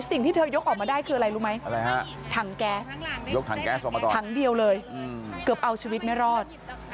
สิ่งที่เธอยกออกมาได้คืออะไรรู้ไหมถังแก๊สถังเดียวเลยเกือบเอาชีวิตไม่รอด